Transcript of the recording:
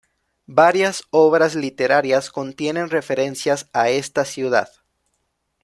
Varias obras literarias contienen referencias a esta ciudad.